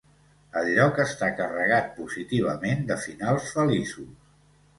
El lloc està carregat positivament de finals feliços.